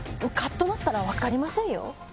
カッとなったら分かりませんよ。